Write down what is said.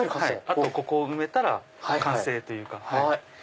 あとここを埋めたら完成というか。